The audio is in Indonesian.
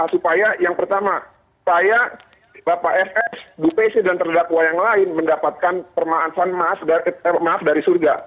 supaya yang pertama supaya bapak ss dupesi dan terdakwa yang lain mendapatkan permaafan dari surga